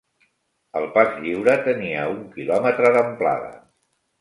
El pas lliure tenia un quilòmetre d'amplada